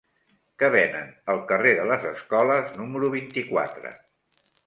Què venen al carrer de les Escoles número vint-i-quatre?